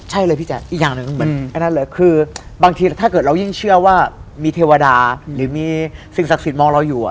ใช่เลยพี่แจ๊ะอีกอย่างนึงคือบางทีถ้าเกิดเรายิ่งเชื่อว่ามีเทวดาหรือมีสิ่งศักดิ์ศิลป์มองเราอยู่